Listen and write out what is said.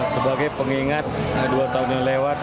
sebagai pengingat dua tahun yang lewat